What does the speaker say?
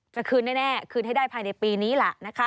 จะคืนแน่คืนให้ได้ภายในปีนี้ล่ะนะคะ